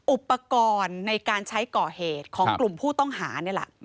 อุปกรณ์ในการใช้ก่อเหตุของกลุ่มผู้ต้องหานี่แหละ